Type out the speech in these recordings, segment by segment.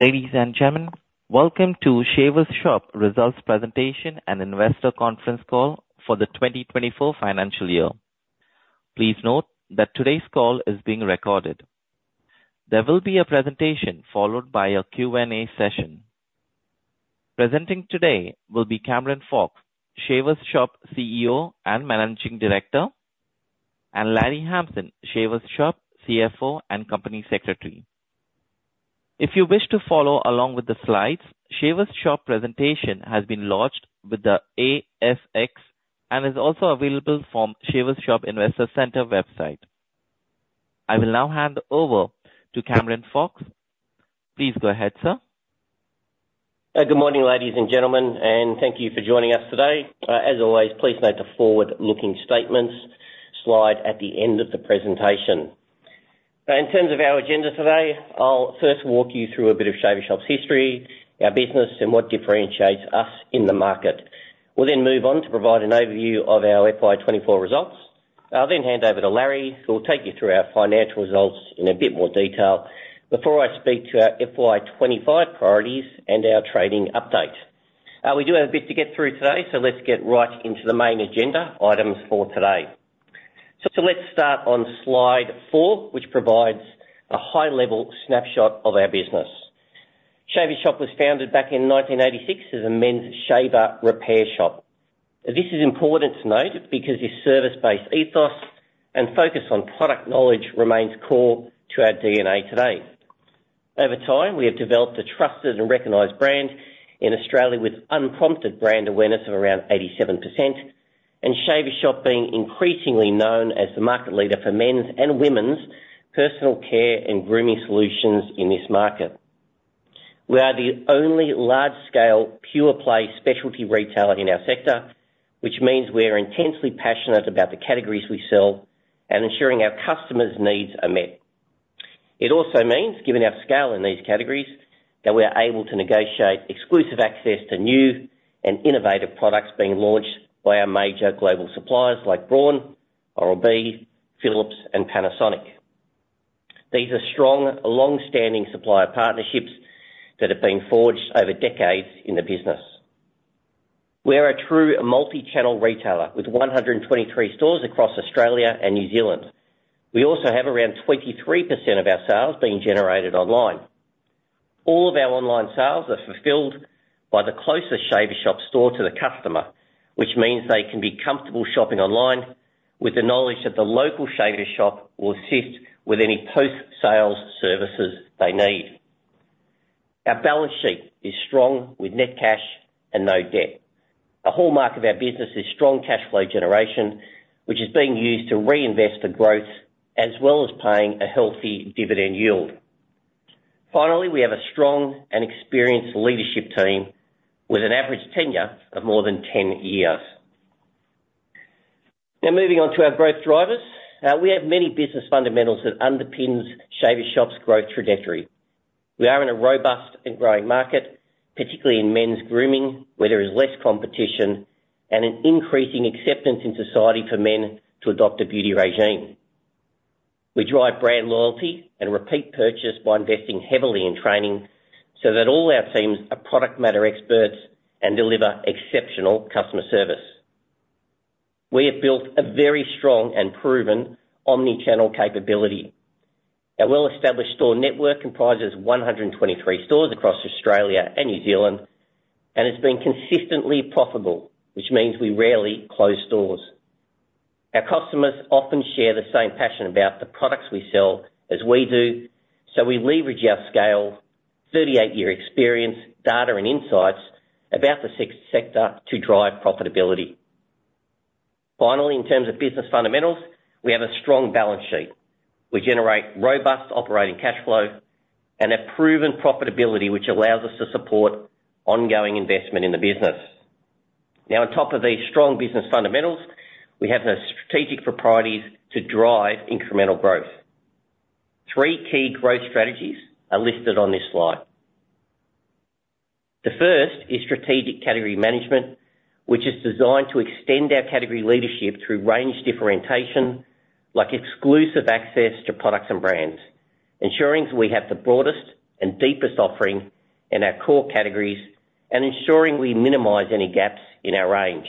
Ladies and gentlemen, welcome to Shaver Shop Results Presentation and Investor Conference Call for the 2024 financial year. Please note that today's call is being recorded. There will be a presentation followed by a Q&A session. Presenting today will be Cameron Fox, Shaver Shop CEO and Managing Director, and Larry Hamson, Shaver Shop CFO and Company Secretary. If you wish to follow along with the slides, Shaver Shop presentation has been launched with the ASX, and is also available from Shaver Shop Investor Center website. I will now hand over to Cameron Fox. Please go ahead, sir. Good morning, ladies and gentlemen, and thank you for joining us today. As always, please note the forward-looking statements slide at the end of the presentation. But in terms of our agenda today, I'll first walk you through a bit of Shaver Shop's history, our business, and what differentiates us in the market. We'll then move on to provide an overview of our FY 2024 results. I'll then hand over to Larry, who will take you through our financial results in a bit more detail before I speak to our FY 2025 priorities and our trading update. We do have a bit to get through today, so let's get right into the main agenda items for today. So let's start on slide four, which provides a high-level snapshot of our business. Shaver Shop was founded back in 1986 as a men's shaver repair shop. This is important to note because its service-based ethos and focus on product knowledge remains core to our DNA today. Over time, we have developed a trusted and recognized brand in Australia, with unprompted brand awareness of around 87%, and Shaver Shop being increasingly known as the market leader for men's and women's personal care and grooming solutions in this market. We are the only large-scale, pure play specialty retailer in our sector, which means we're intensely passionate about the categories we sell and ensuring our customers' needs are met. It also means, given our scale in these categories, that we are able to negotiate exclusive access to new and innovative products being launched by our major global suppliers like Braun, Oral-B, Philips and Panasonic. These are strong, long-standing supplier partnerships that have been forged over decades in the business. We are a true multi-channel retailer with 123 stores across Australia and New Zealand. We also have around 23% of our sales being generated online. All of our online sales are fulfilled by the closest Shaver Shop store to the customer, which means they can be comfortable shopping online with the knowledge that the local Shaver Shop will assist with any post-sales services they need. Our balance sheet is strong with net cash and no debt. A hallmark of our business is strong cash flow generation, which is being used to reinvest for growth, as well as paying a healthy dividend yield. Finally, we have a strong and experienced leadership team with an average tenure of more than 10 years. Now, moving on to our growth drivers. We have many business fundamentals that underpins Shaver Shop's growth trajectory. We are in a robust and growing market, particularly in men's grooming, where there is less competition and an increasing acceptance in society for men to adopt a beauty regime. We drive brand loyalty and repeat purchase by investing heavily in training, so that all our teams are product matter experts and deliver exceptional customer service. We have built a very strong and proven omni-channel capability. Our well-established store network comprises 123 stores across Australia and New Zealand, and has been consistently profitable, which means we rarely close stores. Our customers often share the same passion about the products we sell as we do, so we leverage our scale, 38-year experience, data, and insights about the sector to drive profitability. Finally, in terms of business fundamentals, we have a strong balance sheet. We generate robust operating cash flow and a proven profitability, which allows us to support ongoing investment in the business. Now, on top of these strong business fundamentals, we have the strategic priorities to drive incremental growth. Three key growth strategies are listed on this slide. The first is strategic category management, which is designed to extend our category leadership through range differentiation, like exclusive access to products and brands, ensuring we have the broadest and deepest offering in our core categories, and ensuring we minimize any gaps in our range.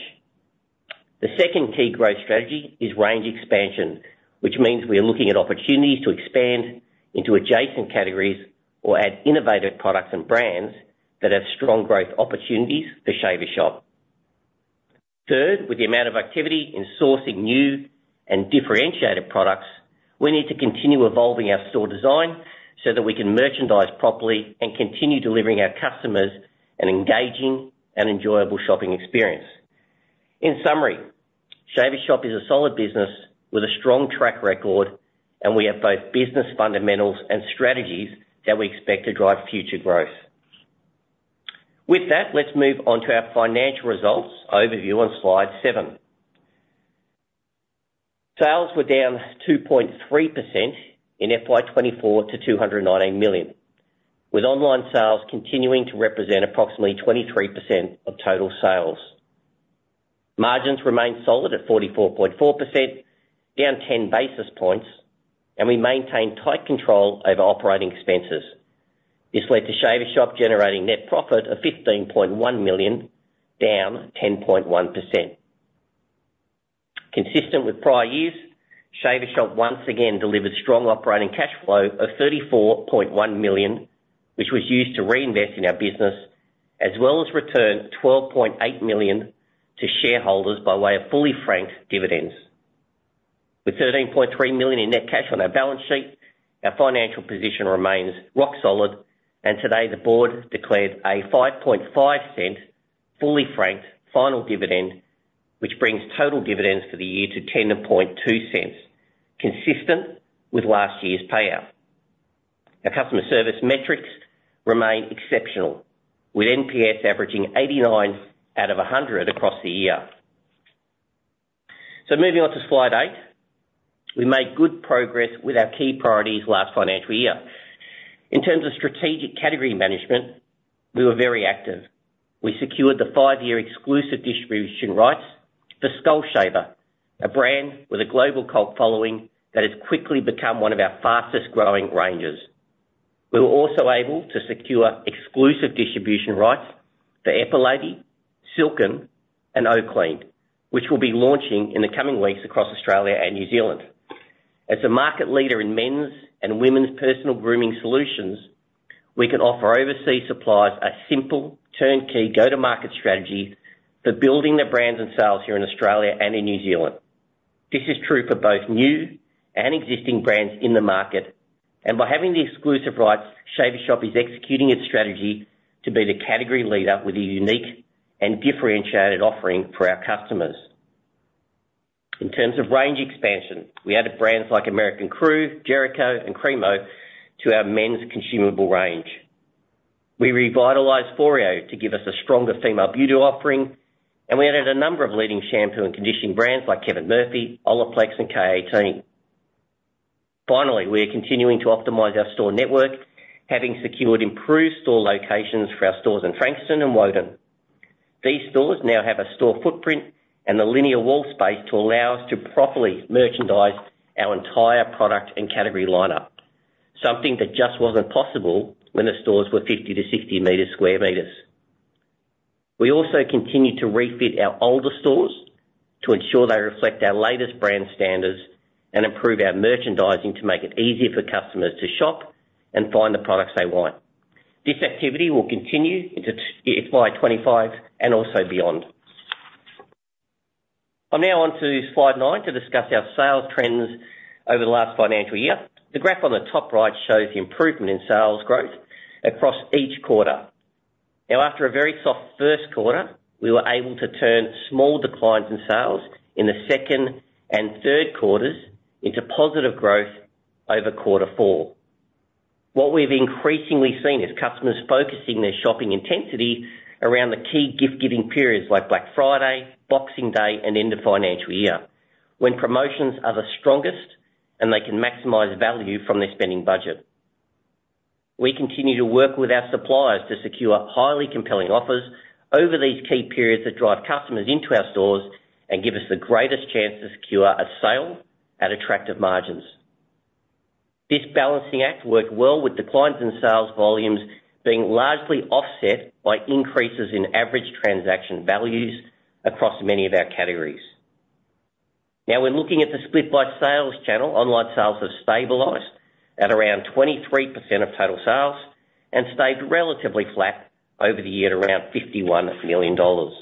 The second key growth strategy is range expansion, which means we are looking at opportunities to expand into adjacent categories or add innovative products and brands that have strong growth opportunities for Shaver Shop. Third, with the amount of activity in sourcing new and differentiated products, we need to continue evolving our store design so that we can merchandise properly and continue delivering our customers an engaging and enjoyable shopping experience. In summary, Shaver Shop is a solid business with a strong track record, and we have both business fundamentals and strategies that we expect to drive future growth. With that, let's move on to our financial results overview on slide seven. Sales were down 2.3% in FY 2024 to 219 million, with online sales continuing to represent approximately 23% of total sales. Margins remained solid at 44.4%, down ten basis points, and we maintained tight control over operating expenses. This led to Shaver Shop generating net profit of 15.1 million, down 10.1%. Consistent with prior years, Shaver Shop once again delivered strong operating cash flow of 34.1 million, which was used to reinvest in our business, as well as return 12.8 million to shareholders by way of fully franked dividends. With 13.3 million in net cash on our balance sheet, our financial position remains rock solid, and today, the board declared a 0.055 fully franked final dividend, which brings total dividends for the year to 0.102, consistent with last year's payout. Our customer service metrics remain exceptional, with NPS averaging 89 out of 100 across the year. So moving on to slide eight. We made good progress with our key priorities last financial year. In terms of strategic category management, we were very active. We secured the five-year exclusive distribution rights for Skull Shaver, a brand with a global cult following that has quickly become one of our fastest-growing ranges. We were also able to secure exclusive distribution rights for Epilady, Silk'n, and Oclean, which will be launching in the coming weeks across Australia and New Zealand. As a market leader in men's and women's personal grooming solutions, we can offer overseas suppliers a simple, turnkey, go-to-market strategy for building their brands and sales here in Australia and in New Zealand. This is true for both new and existing brands in the market, and by having the exclusive rights, Shaver Shop is executing its strategy to be the category leader with a unique and differentiated offering for our customers. In terms of range expansion, we added brands like American Crew, Jericho, and Cremo to our men's consumable range. We revitalized Foreo to give us a stronger female beauty offering, and we added a number of leading shampoo and conditioning brands like Kevin Murphy, Olaplex, and K18. Finally, we are continuing to optimize our store network, having secured improved store locations for our stores in Frankston and Woden. These stores now have a store footprint and the linear wall space to allow us to properly merchandise our entire product and category lineup, something that just wasn't possible when the stores were 50-60 sq m. We also continued to refit our older stores to ensure they reflect our latest brand standards and improve our merchandising to make it easier for customers to shop and find the products they want. This activity will continue into FY 2025 and also beyond. I'm now on to slide nine to discuss our sales trends over the last financial year. The graph on the top right shows the improvement in sales growth across each quarter. Now, after a very soft first quarter, we were able to turn small declines in sales in the second and third quarters into positive growth over quarter four. What we've increasingly seen is customers focusing their shopping intensity around the key gift-giving periods like Black Friday, Boxing Day, and end of financial year, when promotions are the strongest, and they can maximize value from their spending budget. We continue to work with our suppliers to secure highly compelling offers over these key periods that drive customers into our stores and give us the greatest chance to secure a sale at attractive margins. This balancing act worked well with declines in sales volumes being largely offset by increases in average transaction values across many of our categories. Now, we're looking at the split by sales channel. Online sales have stabilized at around 23% of total sales and stayed relatively flat over the year, at around 51 million dollars.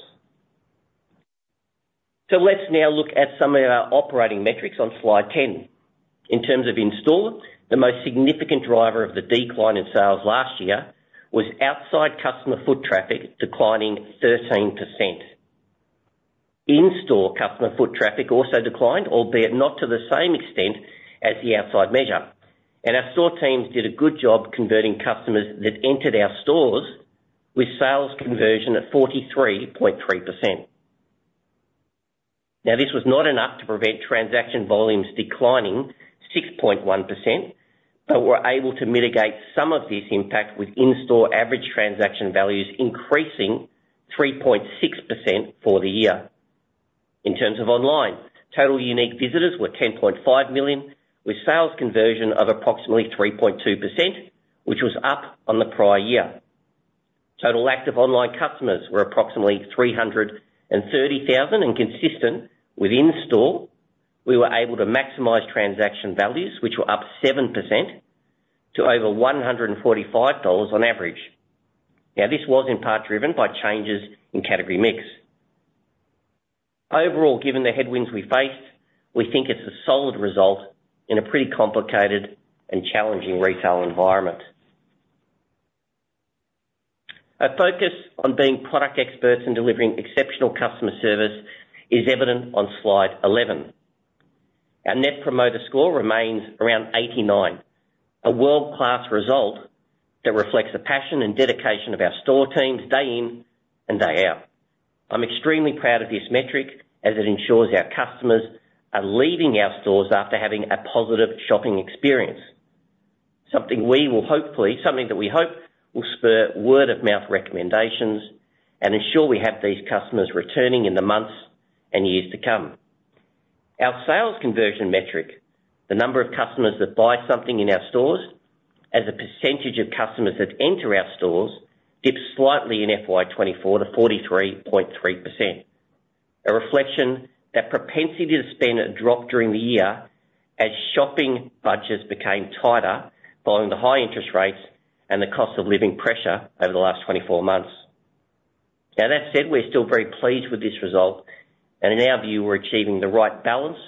So let's now look at some of our operating metrics on slide 10. In terms of in-store, the most significant driver of the decline in sales last year was outside customer foot traffic, declining 13%. In-store customer foot traffic also declined, albeit not to the same extent as the outside measure, and our store teams did a good job converting customers that entered our stores, with sales conversion at 43.3%. Now, this was not enough to prevent transaction volumes declining 6.1%, but we're able to mitigate some of this impact, with in-store average transaction values increasing 3.6% for the year. In terms of online, total unique visitors were 10.5 million, with sales conversion of approximately 3.2%, which was up on the prior year. Total active online customers were approximately 330,000, and consistent with in-store, we were able to maximize transaction values, which were up 7% to over 145 dollars on average. Now, this was in part driven by changes in category mix. Overall, given the headwinds we faced, we think it's a solid result in a pretty complicated and challenging retail environment. Our focus on being product experts and delivering exceptional customer service is evident on slide 11. Our net promoter score remains around 89, a world-class result that reflects the passion and dedication of our store teams day in and day out. I'm extremely proud of this metric, as it ensures our customers are leaving our stores after having a positive shopping experience. Something that we hope will spur word-of-mouth recommendations and ensure we have these customers returning in the months and years to come. Our sales conversion metric, the number of customers that buy something in our stores as a percentage of customers that enter our stores, dipped slightly in FY 2024 to 43.3%. A reflection that propensity to spend dropped during the year as shopping budgets became tighter, following the high interest rates and the cost of living pressure over the last 24 months. Now, that said, we're still very pleased with this result, and in our view, we're achieving the right balance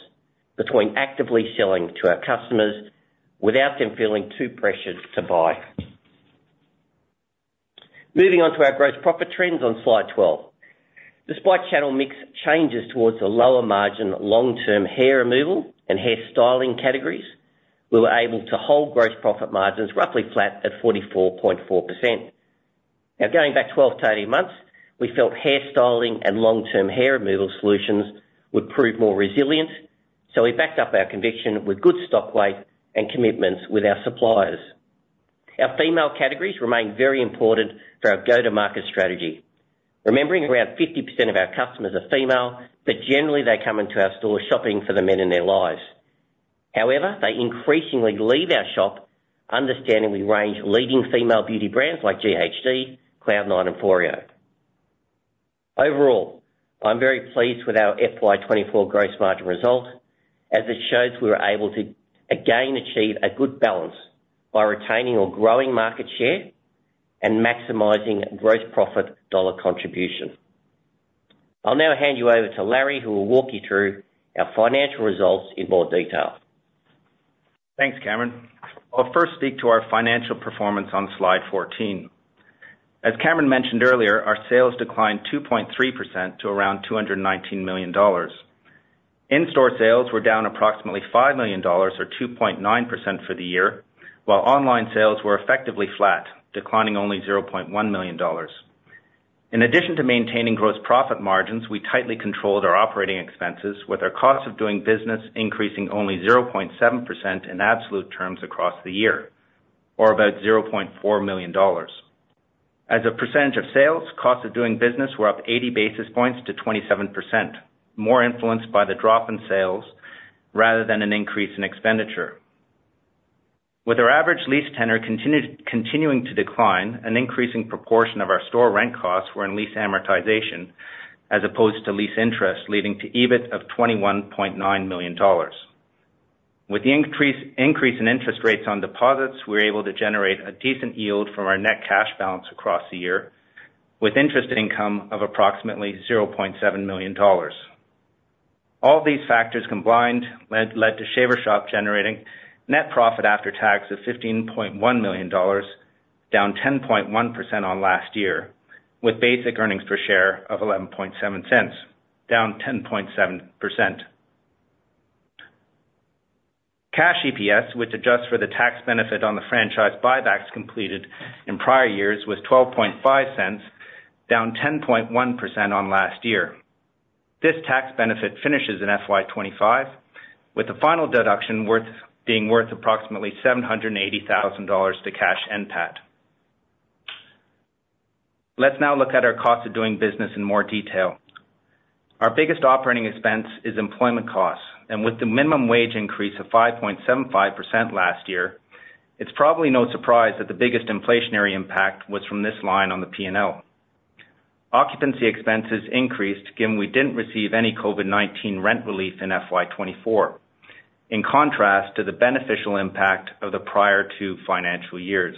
between actively selling to our customers without them feeling too pressured to buy. Moving on to our gross profit trends on slide 12. Despite channel mix changes towards the lower margin, long-term hair removal and hair styling categories, we were able to hold gross profit margins roughly flat at 44.4%. Now, going back 12-18 months, we felt hair styling and long-term hair removal solutions would prove more resilient, so we backed up our conviction with good stock weight and commitments with our suppliers. Our female categories remain very important for our go-to-market strategy. Remembering around 50% of our customers are female, but generally, they come into our stores shopping for the men in their lives. However, they increasingly leave our shop understanding we range leading female beauty brands like GHD, Cloud Nine, and Foreo. Overall, I'm very pleased with our FY 2024 gross margin result, as it shows we were able to again achieve a good balance by retaining or growing market share and maximizing gross profit dollar contribution. I'll now hand you over to Larry, who will walk you through our financial results in more detail. Thanks, Cameron. I'll first speak to our financial performance on slide 14. As Cameron mentioned earlier, our sales declined 2.3% to around 219 million dollars. In-store sales were down approximately 5 million dollars, or 2.9% for the year, while online sales were effectively flat, declining only 0.1 million dollars. In addition to maintaining gross profit margins, we tightly controlled our operating expenses, with our cost of doing business increasing only 0.7% in absolute terms across the year, or about 0.4 million dollars. As a percentage of sales, cost of doing business were up 80 basis points to 27%, more influenced by the drop in sales rather than an increase in expenditure. With our average lease tenor continuing to decline, an increasing proportion of our store rent costs were in lease amortization, as opposed to lease interest, leading to EBIT of 21.9 million dollars. With the increase in interest rates on deposits, we're able to generate a decent yield from our net cash balance across the year, with interest income of approximately 0.7 million dollars. All these factors combined led to Shaver Shop generating net profit after tax of 15.1 million dollars, down 10.1% on last year, with basic earnings per share of 0.117, down 10.7%. Cash EPS, which adjusts for the tax benefit on the franchise buybacks completed in prior years, was 0.125, down 10.1% on last year. This tax benefit finishes in FY 2025, with the final deduction being worth approximately 780,000 dollars to cash NPAT. Let's now look at our cost of doing business in more detail. Our biggest operating expense is employment costs, and with the minimum wage increase of 5.75% last year, it's probably no surprise that the biggest inflationary impact was from this line on the P&L. Occupancy expenses increased, again, we didn't receive any COVID-19 rent relief in FY 2024, in contrast to the beneficial impact of the prior two financial years.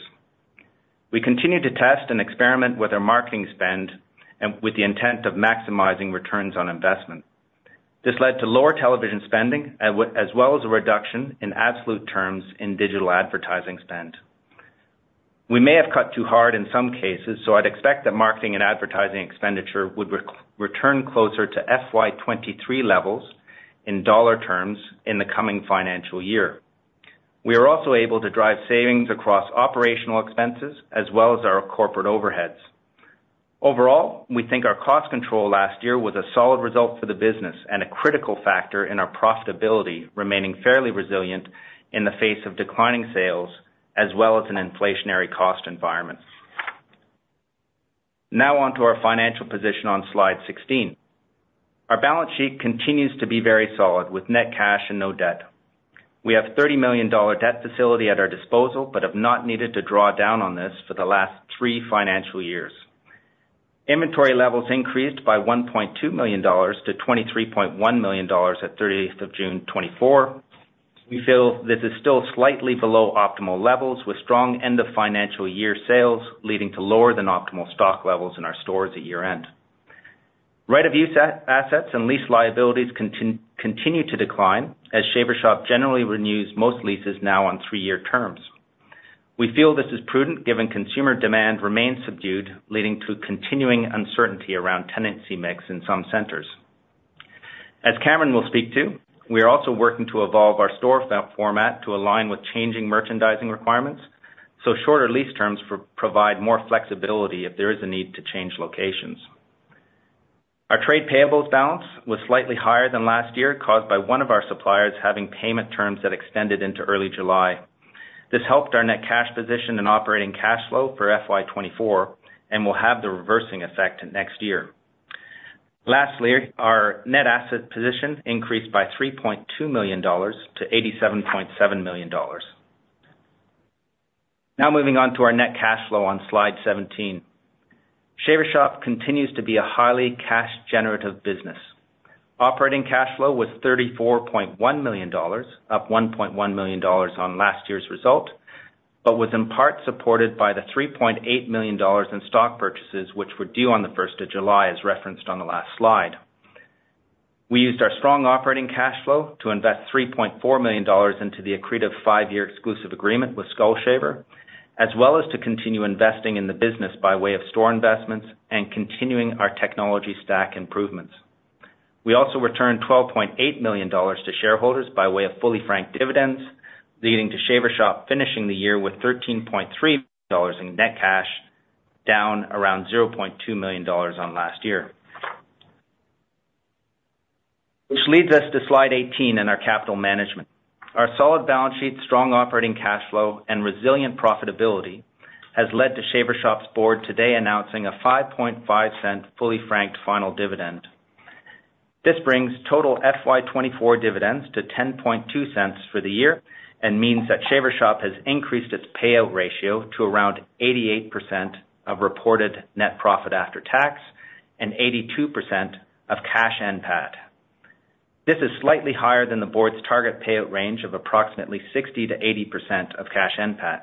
We continued to test and experiment with our marketing spend and with the intent of maximizing returns on investment. This led to lower television spending, as well as a reduction in absolute terms in digital advertising spend. We may have cut too hard in some cases, so I'd expect that marketing and advertising expenditure would return closer to FY 2023 levels in dollar terms in the coming financial year. We are also able to drive savings across operational expenses as well as our corporate overheads. Overall, we think our cost control last year was a solid result for the business and a critical factor in our profitability, remaining fairly resilient in the face of declining sales, as well as an inflationary cost environment. Now on to our financial position on slide 16. Our balance sheet continues to be very solid, with net cash and no debt. We have 30 million dollar debt facility at our disposal, but have not needed to draw down on this for the last three financial years. Inventory levels increased by 1.2 million-23.1 million dollars at 30th of June 2024. We feel this is still slightly below optimal levels, with strong end-of-financial-year sales leading to lower than optimal stock levels in our stores at year-end. Right of use assets and lease liabilities continue to decline as Shaver Shop generally renews most leases now on three-year terms. We feel this is prudent, given consumer demand remains subdued, leading to continuing uncertainty around tenancy mix in some centers. As Cameron will speak to, we are also working to evolve our store format to align with changing merchandising requirements, so shorter lease terms provide more flexibility if there is a need to change locations. Our trade payables balance was slightly higher than last year, caused by one of our suppliers having payment terms that extended into early July. This helped our net cash position and operating cash flow for FY 2024, and will have the reversing effect next year. Lastly, our net asset position increased by 3.2 million dollars to 87.7 million dollars. Now moving on to our net cash flow on slide 17. Shaver Shop continues to be a highly cash-generative business. Operating cash flow was 34.1 million dollars, up 1.1 million dollars on last year's result, but was in part supported by the 3.8 million dollars in stock purchases, which were due on the first of July, as referenced on the last slide. We used our strong operating cash flow to invest 3.4 million dollars into the accretive five-year exclusive agreement with Skull Shaver, as well as to continue investing in the business by way of store investments and continuing our technology stack improvements. We also returned 12.8 million dollars to shareholders by way of fully franked dividends, leading to Shaver Shop finishing the year with 13.3 million dollars in net cash, down around 0.2 million dollars on last year. Which leads us to slide 18 and our capital management. Our solid balance sheet, strong operating cash flow, and resilient profitability has led to Shaver Shop's board today announcing a 0.055 fully franked final dividend. This brings total FY 2024 dividends to 0.102 for the year, and means that Shaver Shop has increased its payout ratio to around 88% of reported net profit after tax, and 82% of cash NPAT. This is slightly higher than the board's target payout range of approximately 60%-80% of cash NPAT.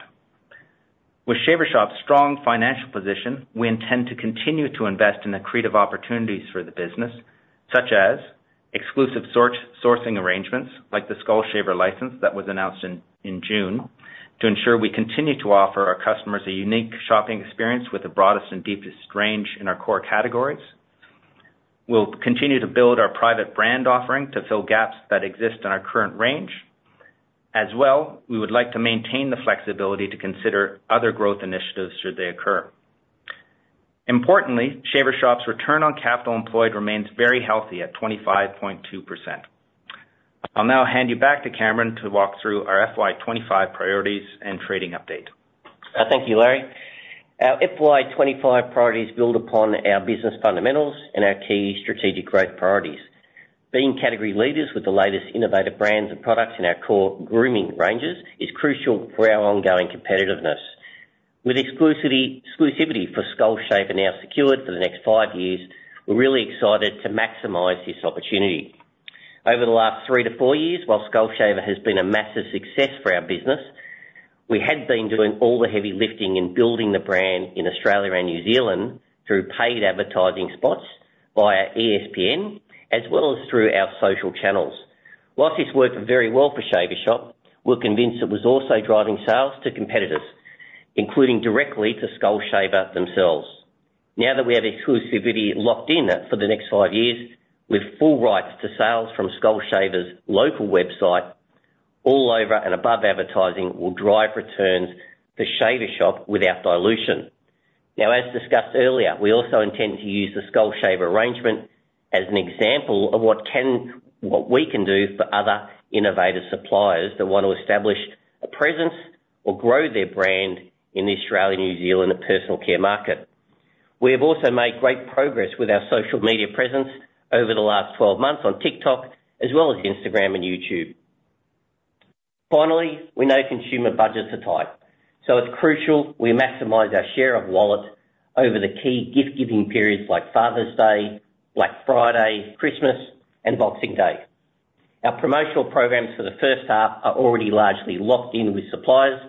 With Shaver Shop's strong financial position, we intend to continue to invest in accretive opportunities for the business, such as exclusive sourcing arrangements, like the Skull Shaver license that was announced in June, to ensure we continue to offer our customers a unique shopping experience with the broadest and deepest range in our core categories. We'll continue to build our private brand offering to fill gaps that exist in our current range. As well, we would like to maintain the flexibility to consider other growth initiatives should they occur. Importantly, Shaver Shop's return on capital employed remains very healthy at 25.2%. I'll now hand you back to Cameron to walk through our FY 2025 priorities and trading update. Thank you, Larry. Our FY 2025 priorities build upon our business fundamentals and our key strategic growth priorities. Being category leaders with the latest innovative brands and products in our core grooming ranges is crucial for our ongoing competitiveness. With exclusivity for Skull Shaver now secured for the next five years, we're really excited to maximize this opportunity. Over the last three to four years, while Skull Shaver has been a massive success for our business, we had been doing all the heavy lifting in building the brand in Australia and New Zealand through paid advertising spots via ESPN, as well as through our social channels. While this worked very well for Shaver Shop, we're convinced it was also driving sales to competitors, including directly to Skull Shaver themselves. Now that we have exclusivity locked in for the next five years, with full rights to sales from Skull Shaver's local website, all over and above advertising will drive returns to Shaver Shop without dilution. Now, as discussed earlier, we also intend to use the Skull Shaver arrangement as an example of what we can do for other innovative suppliers that want to establish a presence or grow their brand in the Australian, New Zealand personal care market. We have also made great progress with our social media presence over the last twelve months on TikTok, as well as Instagram and YouTube. Finally, we know consumer budgets are tight, so it's crucial we maximize our share of wallet over the key gift-giving periods like Father's Day, Black Friday, Christmas, and Boxing Day. Our promotional programs for the first half are already largely locked in with suppliers,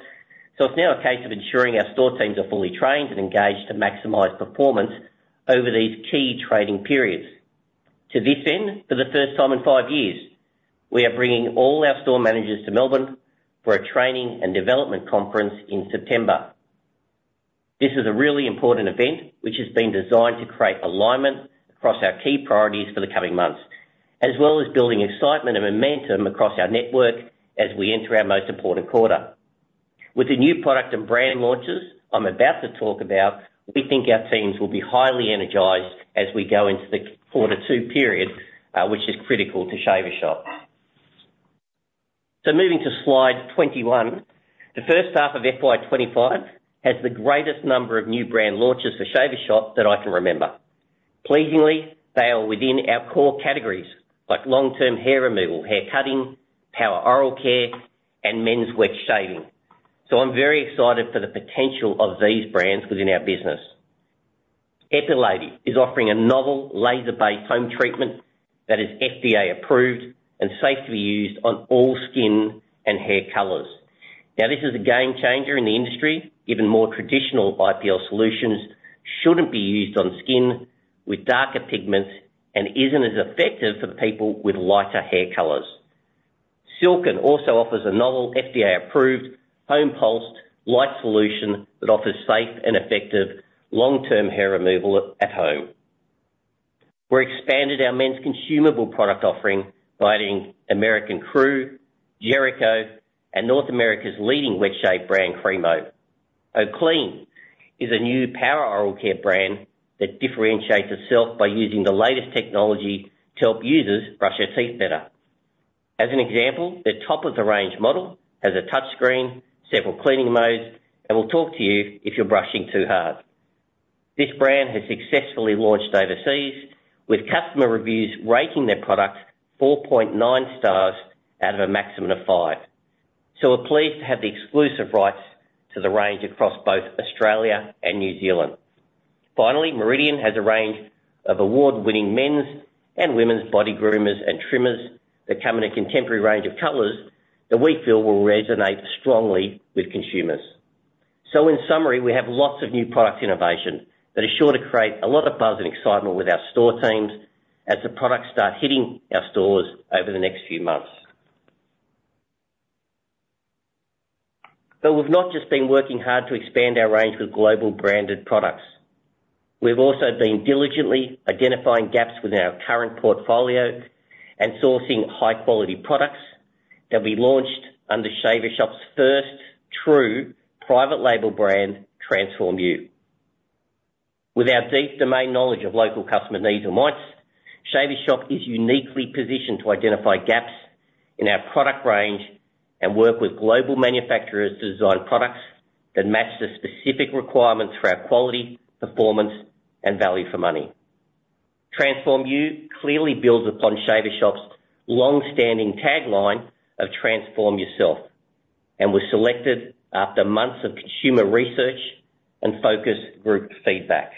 so it's now a case of ensuring our store teams are fully trained and engaged to maximize performance over these key trading periods. To this end, for the first time in five years, we are bringing all our store managers to Melbourne for a training and development conference in September. This is a really important event, which has been designed to create alignment across our key priorities for the coming months, as well as building excitement and momentum across our network as we enter our most important quarter. With the new product and brand launches I'm about to talk about, we think our teams will be highly energized as we go into the quarter two period, which is critical to Shaver Shop. Moving to slide 21, the first half of FY 2025 has the greatest number of new brand launches for Shaver Shop that I can remember. Pleasingly, they are within our core categories, like long-term hair removal, hair cutting, power oral care, and men's wet shaving. I'm very excited for the potential of these brands within our business. Epilady is offering a novel laser-based home treatment that is FDA approved and safe to be used on all skin and hair colors. Now, this is a game changer in the industry, given more traditional IPL solutions shouldn't be used on skin with darker pigments and isn't as effective for people with lighter hair colors. Silk'n also offers a novel, FDA-approved home pulsed light solution that offers safe and effective long-term hair removal at home. We've expanded our men's consumable product offering by adding American Crew, Jericho, and North America's leading wet shave brand, Cremo. Oclean is a new power oral care brand that differentiates itself by using the latest technology to help users brush their teeth better. As an example, their top-of-the-range model has a touch screen, several cleaning modes, and will talk to you if you're brushing too hard. This brand has successfully launched overseas, with customer reviews rating their product four point nine stars out of a maximum of five. So we're pleased to have the exclusive rights to the range across both Australia and New Zealand. Finally, Meridian has a range of award-winning men's and women's body groomers and trimmers that come in a contemporary range of colors that we feel will resonate strongly with consumers. So in summary, we have lots of new product innovation that is sure to create a lot of buzz and excitement with our store teams as the products start hitting our stores over the next few months. But we've not just been working hard to expand our range with global branded products. We've also been diligently identifying gaps within our current portfolio and sourcing high-quality products that'll be launched under Shaver Shop's first true private label brand, TRANSFORM-U. With our deep domain knowledge of local customer needs and wants, Shaver Shop is uniquely positioned to identify gaps in our product range and work with global manufacturers to design products that match the specific requirements for our quality, performance, and value for money. TRANSFORM-U clearly builds upon Shaver Shop's long-standing tagline of Transform Yourself, and was selected after months of consumer research and focus group feedback.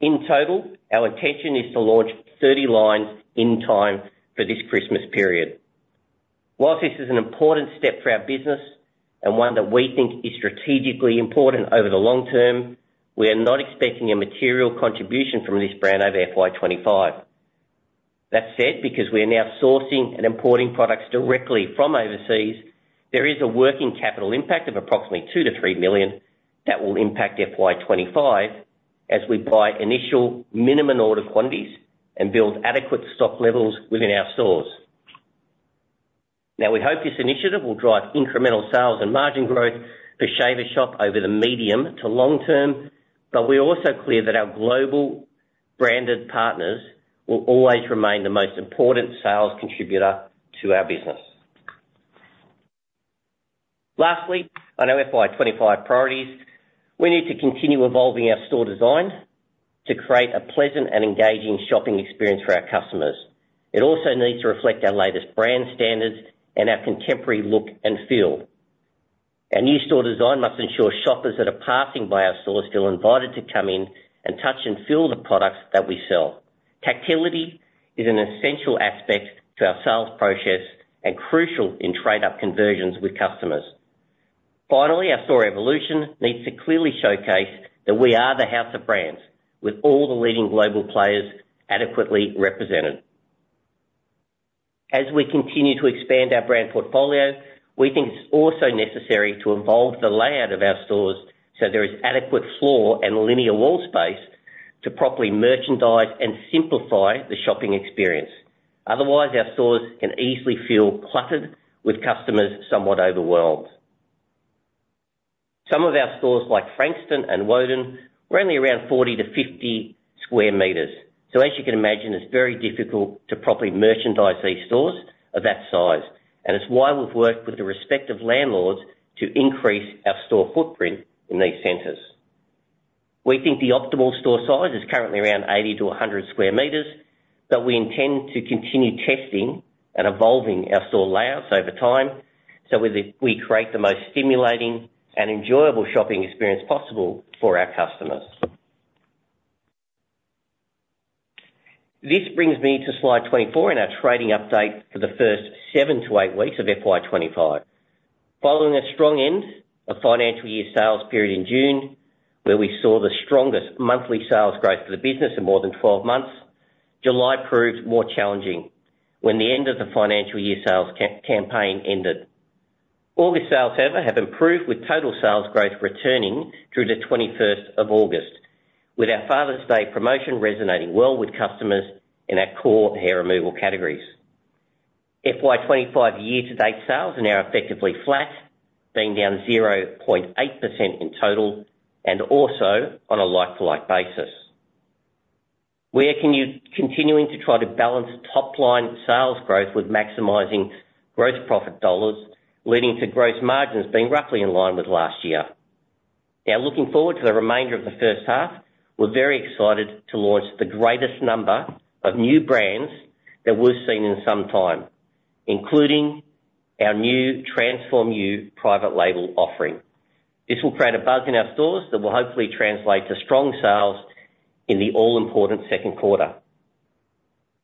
In total, our intention is to launch 30 lines in time for this Christmas period. While this is an important step for our business, and one that we think is strategically important over the long-term, we are not expecting a material contribution from this brand over FY 2025. That said, because we are now sourcing and importing products directly from overseas, there is a working capital impact of approximately 2 million-3 million that will impact FY 2025 as we buy initial minimum order quantities and build adequate stock levels within our stores. Now, we hope this initiative will drive incremental sales and margin growth for Shaver Shop over the medium to long-term, but we're also clear that our global branded partners will always remain the most important sales contributor to our business. Lastly, on our FY 2025 priorities, we need to continue evolving our store design to create a pleasant and engaging shopping experience for our customers. It also needs to reflect our latest brand standards and our contemporary look and feel. Our new store design must ensure shoppers that are passing by our stores feel invited to come in and touch and feel the products that we sell. Tactility is an essential aspect to our sales process and crucial in trade-up conversions with customers. Finally, our store evolution needs to clearly showcase that we are the house of brands, with all the leading global players adequately represented. As we continue to expand our brand portfolio, we think it's also necessary to evolve the layout of our stores so there is adequate floor and linear wall space to properly merchandise and simplify the shopping experience. Otherwise, our stores can easily feel cluttered, with customers somewhat overwhelmed. Some of our stores, like Frankston and Woden, were only around 40-50 sq m. So as you can imagine, it's very difficult to properly merchandise these stores of that size, and it's why we've worked with the respective landlords to increase our store footprint in these centers. We think the optimal store size is currently around 80-100 sq m, but we intend to continue testing and evolving our store layouts over time, so we create the most stimulating and enjoyable shopping experience possible for our customers. This brings me to slide 24, and our trading update for the first 7-8 weeks of FY 2025. Following a strong end of financial year sales period in June, where we saw the strongest monthly sales growth for the business in more than twelve months, July proved more challenging when the end of the financial year sales campaign ended. August sales, however, have improved, with total sales growth returning through the 21st of August, with our Father's Day promotion resonating well with customers in our core hair removal categories. FY 2025 year-to-date sales are now effectively flat, being down 0.8% in total, and also on a like-for-like basis. We are continuing to try to balance top-line sales growth with maximizing gross profit dollars, leading to gross margins being roughly in line with last year. Now, looking forward to the remainder of the first half, we're very excited to launch the greatest number of new brands that we've seen in some time, including our new TRANSFORM-U private label offering. This will create a buzz in our stores that will hopefully translate to strong sales in the all-important second quarter.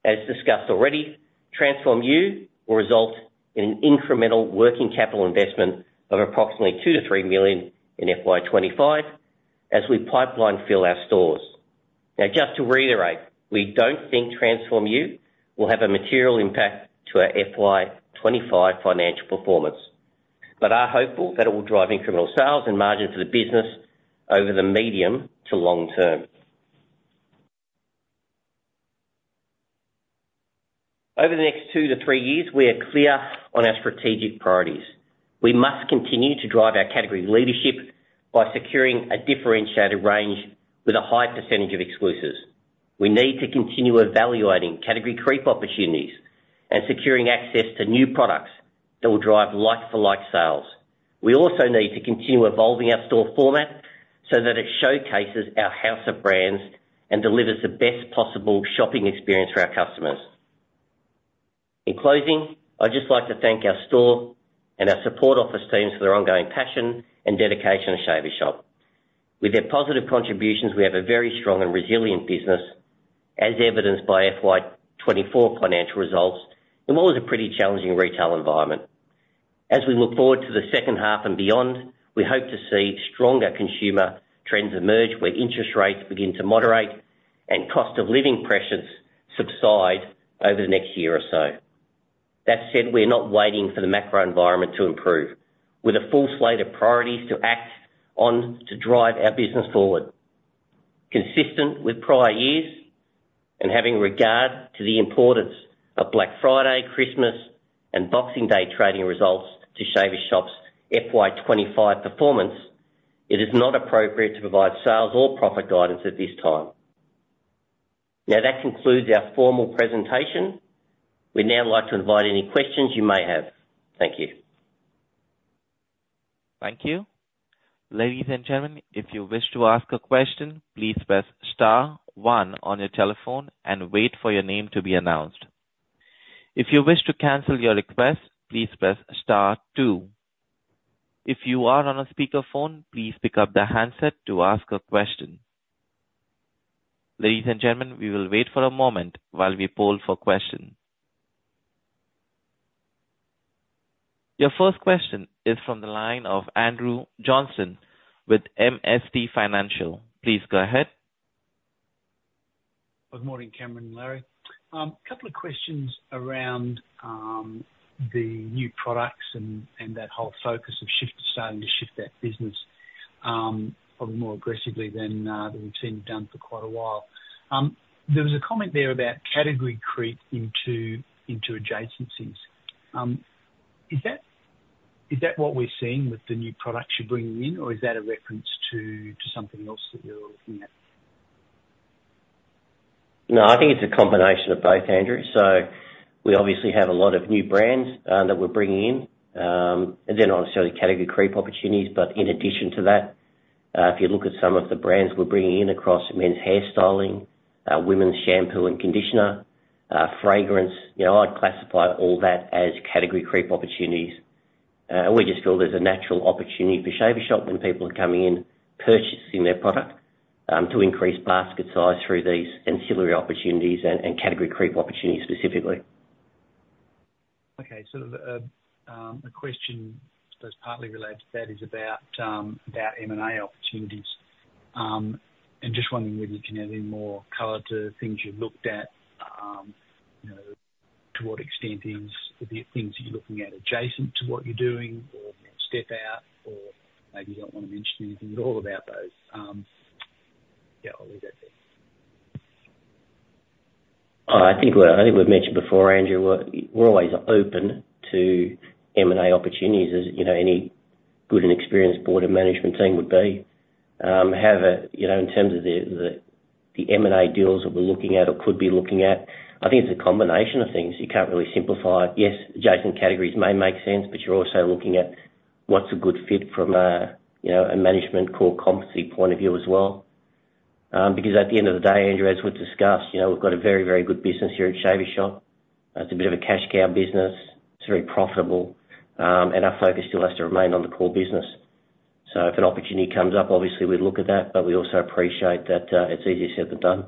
As discussed already, TRANSFORM-U will result in an incremental working capital investment of approximately 2 million-3 million in FY 2025 as we pipeline fill our stores. Now, just to reiterate, we don't think TRANSFORM-U will have a material impact to our FY 2025 financial performance, but are hopeful that it will drive incremental sales and margin for the business over the medium to long-term. Over the next two to three years, we are clear on our strategic priorities. We must continue to drive our category leadership by securing a differentiated range with a high percentage of exclusives. We need to continue evaluating category creep opportunities and securing access to new products that will drive like-for-like sales. We also need to continue evolving our store format so that it showcases our house of brands and delivers the best possible shopping experience for our customers. In closing, I'd just like to thank our store and our support office teams for their ongoing passion and dedication to Shaver Shop. With their positive contributions, we have a very strong and resilient business, as evidenced by FY 2024 financial results, in what was a pretty challenging retail environment. As we look forward to the second half and beyond, we hope to see stronger consumer trends emerge, where interest rates begin to moderate and cost of living pressures subside over the next year or so. That said, we're not waiting for the macro environment to improve. With a full slate of priorities to act on to drive our business forward. Consistent with prior years, and having regard to the importance of Black Friday, Christmas, and Boxing Day trading results to Shaver Shop's FY 2025 performance, it is not appropriate to provide sales or profit guidance at this time. Now, that concludes our formal presentation. We'd now like to invite any questions you may have. Thank you. Thank you. Ladies and gentlemen, if you wish to ask a question, please press star one on your telephone and wait for your name to be announced. If you wish to cancel your request, please press star two. If you are on a speakerphone, please pick up the handset to ask a question. Ladies and gentlemen, we will wait for a moment while we poll for questions. Your first question is from the line of Andrew Johnston with MST Financial. Please go ahead. Good morning, Cameron and Larry. A couple of questions around the new products and that whole focus of starting to shift that business, probably more aggressively than we've seen you've done for quite a while. There was a comment there about category creep into adjacencies. Is that what we're seeing with the new products you're bringing in? Or is that a reference to something else that you're looking at? No, I think it's a combination of both, Andrew. So we obviously have a lot of new brands that we're bringing in, and then obviously, category creep opportunities. But in addition to that, if you look at some of the brands we're bringing in across men's hairstyling, women's shampoo and conditioner, fragrance, you know, I'd classify all that as category creep opportunities. We just feel there's a natural opportunity for Shaver Shop when people are coming in, purchasing their product, to increase basket size through these ancillary opportunities and category creep opportunities specifically. Okay. So the question that's partly related to that is about M&A opportunities. And just wondering whether you can add any more color to things you've looked at, you know, to what extent these are the things you're looking at adjacent to what you're doing, or step out, or maybe you don't want to mention anything at all about those? Yeah, I'll leave that there. I think we've mentioned before, Andrew, we're always open to M&A opportunities, as you know, any good and experienced board of management team would be. However, you know, in terms of the M&A deals that we're looking at or could be looking at, I think it's a combination of things. You can't really simplify it. Yes, adjacent categories may make sense, but you're also looking at what's a good fit from a you know, a management core competency point of view as well. Because at the end of the day, Andrew, as we've discussed, you know, we've got a very, very good business here at Shaver Shop. It's a bit of a cash cow business. It's very profitable, and our focus still has to remain on the core business. So if an opportunity comes up, obviously we'd look at that, but we also appreciate that, it's easier said than done.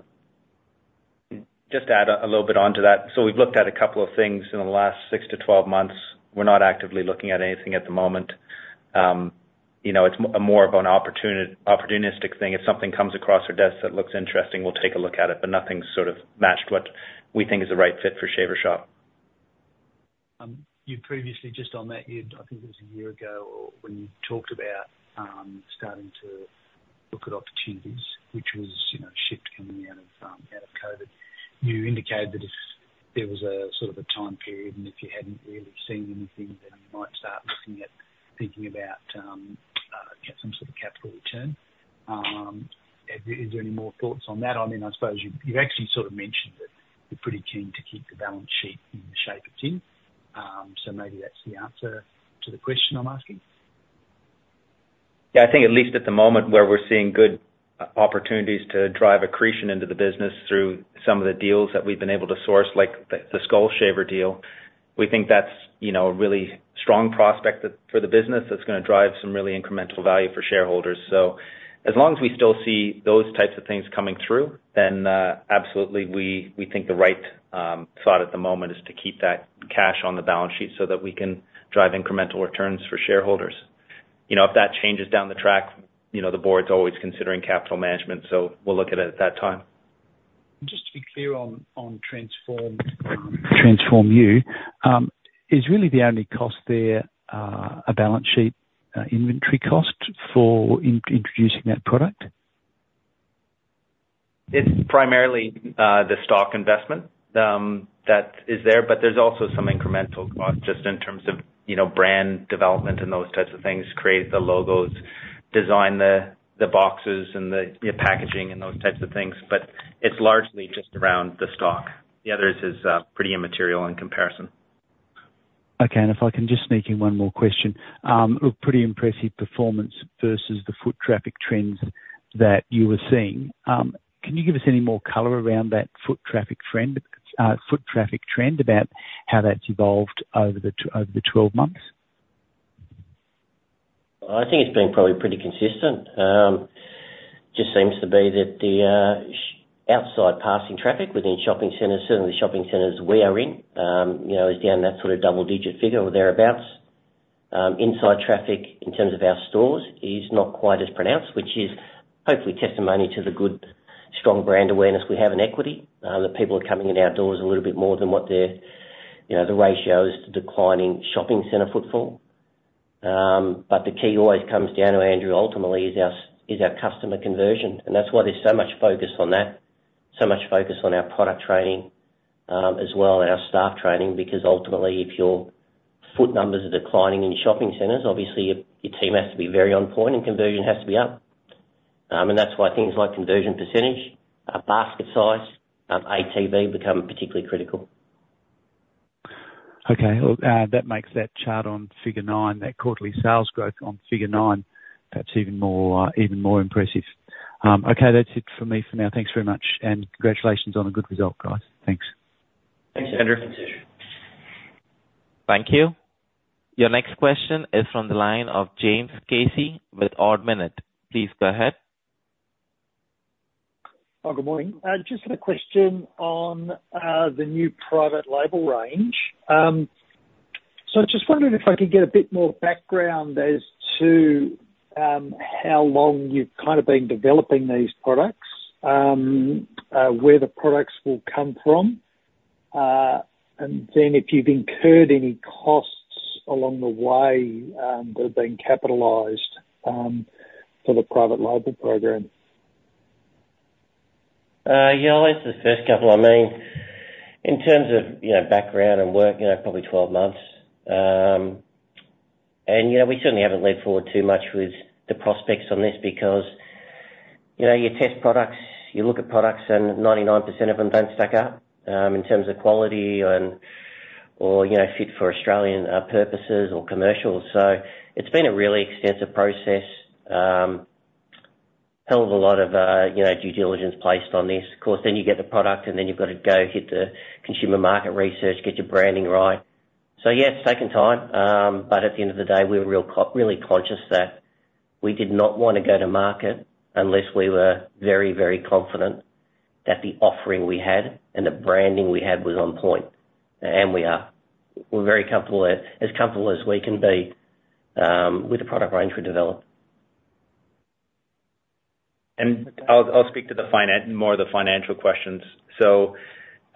Just to add a little bit onto that. So we've looked at a couple of things in the last six to twelve months. We're not actively looking at anything at the moment. You know, it's more of an opportunistic thing. If something comes across our desk that looks interesting, we'll take a look at it, but nothing's sort of matched what we think is the right fit for Shaver Shop. You previously, just on that year, I think it was a year ago or when you talked about starting to look at opportunities, which was, you know, shift coming out of COVID. You indicated that if there was a sort of a time period, and if you hadn't really seen anything, then you might start looking at some sort of capital return. Is there any more thoughts on that? I mean, I suppose you, you've actually sort of mentioned that you're pretty keen to keep the balance sheet in the shape it's in, so maybe that's the answer to the question I'm asking. Yeah, I think at least at the moment, where we're seeing good opportunities to drive accretion into the business through some of the deals that we've been able to source, like the Skull Shaver deal, we think that's, you know, a really strong prospect that for the business, that's gonna drive some really incremental value for shareholders. So as long as we still see those types of things coming through, then absolutely, we think the right thought at the moment is to keep that cash on the balance sheet so that we can drive incremental returns for shareholders. You know, if that changes down the track, you know, the board's always considering capital management, so we'll look at it at that time. Just to be clear on TRANSFORM-U, is really the only cost there, a balance sheet, inventory cost for introducing that product? It's primarily the stock investment that is there, but there's also some incremental cost just in terms of, you know, brand development and those types of things. Create the logos, design the boxes, and the packaging, and those types of things. But it's largely just around the stock. The others is pretty immaterial in comparison. Okay. And if I can just sneak in one more question. A pretty impressive performance versus the foot traffic trends that you were seeing. Can you give us any more color around that foot traffic trend about how that's evolved over the twelve months? I think it's been probably pretty consistent. Just seems to be that the outside passing traffic within shopping centers, certainly the shopping centers we are in, you know, is down that sort of double digit figure or thereabouts. Inside traffic, in terms of our stores, is not quite as pronounced, which is hopefully testimony to the good, strong brand awareness we have in equity. That people are coming in our doors a little bit more than what they're, you know, the ratio is to decline in shopping center footfall. But the key always comes down to, Andrew, ultimately is our customer conversion, and that's why there's so much focus on that, so much focus on our product training, as well, and our staff training, because ultimately, if your foot numbers are declining in shopping centers, obviously your team has to be very on point, and conversion has to be up. And that's why things like conversion percentage, basket size, ATV become particularly critical. Okay. Well, that makes that chart on figure nine, that quarterly sales growth on figure nine, perhaps even more, even more impressive. Okay, that's it for me for now. Thanks very much, and congratulations on a good result, guys. Thanks. Thanks, Andrew. Thank you. Your next question is from the line of James Casey with Ord Minnett. Please go ahead. Oh, good morning. Just had a question on the new private label range. So just wondering if I could get a bit more background as to how long you've kind of been developing these products, where the products will come from, and then if you've incurred any costs along the way that have been capitalized for the private label program? Yeah, I'll answer the first couple. I mean, in terms of, you know, background and work, you know, probably 12 months. And, you know, we certainly haven't leaned forward too much with the prospects on this because, you know, you test products, you look at products, and 99% of them don't stack up, in terms of quality and/or, you know, fit for Australian purposes or commercials. So it's been a really extensive process. Hell of a lot of, you know, due diligence placed on this. Of course, then you get the product, and then you've got to go hit the consumer market research, get your branding right. So yeah, it's taken time, but at the end of the day, we were really conscious that we did not want to go to market unless we were very, very confident that the offering we had and the branding we had was on point, and we are. We're very comfortable with it, as comfortable as we can be, with the product range we developed. I'll speak to more of the financial questions. So,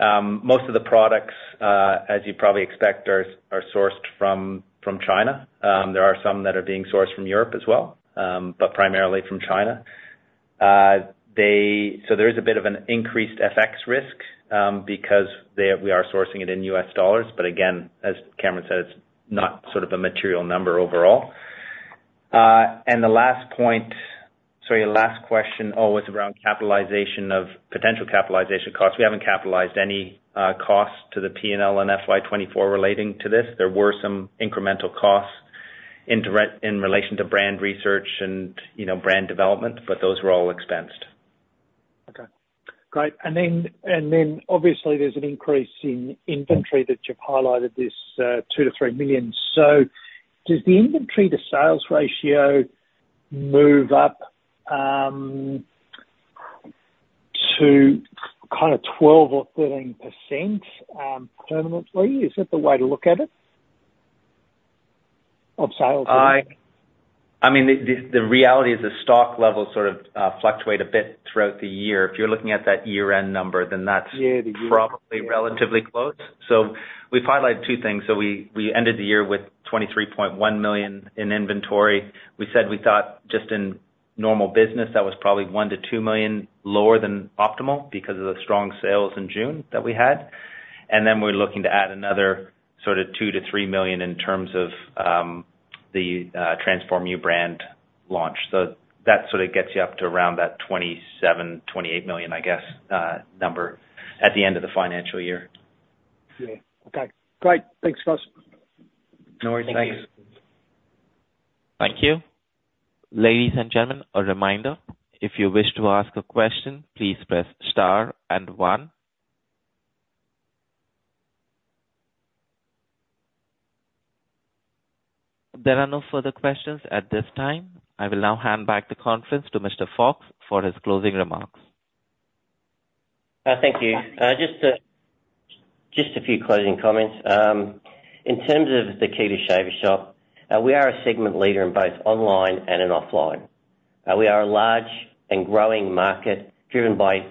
most of the products, as you'd probably expect, are sourced from China. There are some that are being sourced from Europe as well, but primarily from China. So there is a bit of an increased FX risk, because we are sourcing it in US dollars, but again, as Cameron said, it's not sort of a material number overall. And the last point, sorry, your last question, was around capitalization of potential capitalization costs. We haven't capitalized any costs to the P&L and FY 2024 relating to this. There were some incremental costs indirect in relation to brand research and, you know, brand development, but those were all expensed. Okay, great. And then obviously there's an increase in inventory that you've highlighted, this, 2 million-3 million. So does the inventory to sales ratio move up to kind of 12% or 13% permanently? Is that the way to look at it, of sales? I mean, the reality is the stock levels sort of fluctuate a bit throughout the year. If you're looking at that year-end number, then that's the year. Probably relatively close. So we've highlighted two things. So we ended the year with 23.1 million in inventory. We said we thought just in normal business, that was probably 1 million-2 million lower than optimal because of the strong sales in June that we had. And then we're looking to add another sort of 2 million-3 million in terms of the TRANSFORM-U brand launch. So that sort of gets you up to around that 27 million-28 million, I guess, number at the end of the financial year. Yeah. Okay, great. Thanks, guys. No worries. Thank you. Thank you. Ladies and gentlemen, a reminder, if you wish to ask a question, please press star and one. There are no further questions at this time. I will now hand back the conference to Mr. Fox for his closing remarks. Thank you. Just a few closing comments. In terms of the Shaver Shop, we are a segment leader in both online and offline. We are a large and growing market driven by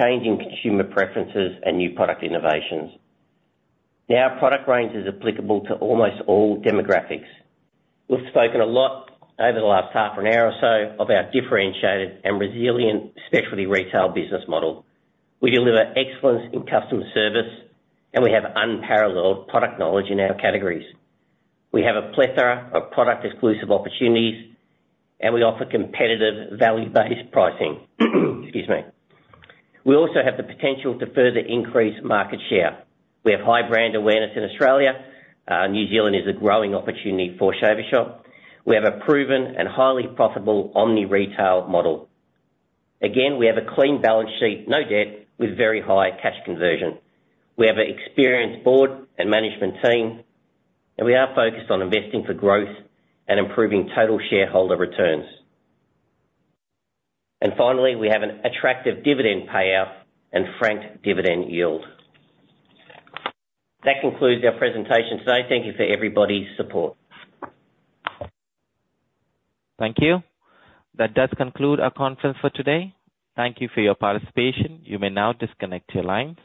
changing consumer preferences and new product innovations. Now, our product range is applicable to almost all demographics. We've spoken a lot over the last half an hour or so about differentiated and resilient specialty retail business model. We deliver excellence in customer service, and we have unparalleled product knowledge in our categories. We have a plethora of product exclusive opportunities, and we offer competitive value-based pricing. Excuse me. We also have the potential to further increase market share. We have high brand awareness in Australia. New Zealand is a growing opportunity for Shaver Shop. We have a proven and highly profitable omni-channel model. Again, we have a clean balance sheet, no debt, with very high cash conversion. We have an experienced board and management team, and we are focused on investing for growth and improving total shareholder returns. And finally, we have an attractive dividend payout and franked dividend yield. That concludes our presentation today. Thank you for everybody's support. Thank you. That does conclude our conference for today. Thank you for your participation. You may now disconnect your lines.